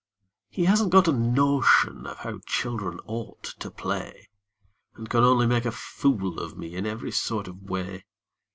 He hasn't got a notion of how children ought to play, And can only make a fool of me in every sort of way.